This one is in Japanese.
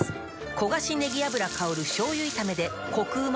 焦がしねぎ油香る醤油炒めでコクうま